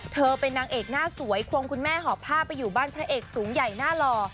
เธอเป็นนางเอกหน้าสวยควงคุณแม่หอบผ้าไปอยู่บ้านพระเอกสูงใหญ่หน้าหล่อ